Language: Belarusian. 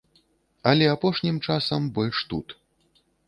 Але апошнім часам больш тут.